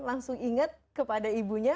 langsung ingat kepada ibu